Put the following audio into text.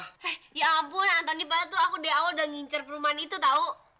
eh ya ampun antoni padahal tuh aku deh awal udah ngincer perumahan itu tahu